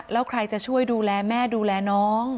แล้วใครจะช่วยดูแลแม่ดูแลน้อง